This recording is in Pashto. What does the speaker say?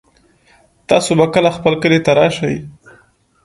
تاسو به کله خپل کلي ته راشئ